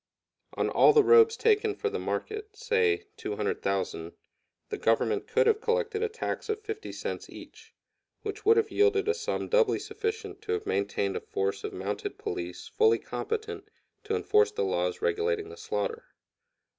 On all the robes taken for the market, say, 200,000, the Government could have collected a tax of 50 cents each, which would have yielded a sum doubly sufficient to have maintained a force of mounted police fully competent to enforce the laws regulating the slaughter.